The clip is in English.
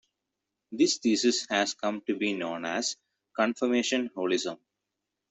This thesis has come to be known as confirmation holism.